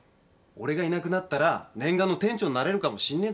俺がいなくなったら念願の店長になれるかもしんねえだろ。